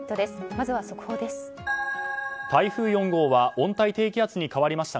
まずは速報です。